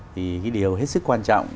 thì cái điều hết sức quan trọng